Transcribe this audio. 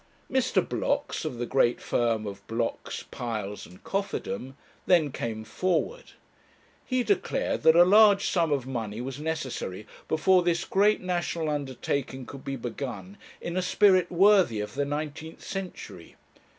Mr. Blocks, of the great firm of Blocks, Piles, and Cofferdam, then came forward. He declared that a large sum of money was necessary before this great national undertaking could be begun in a spirit worthy of the nineteenth century.